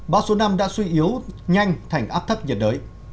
bão số năm đã suy yếu nhanh thành áp thấp nhiệt đới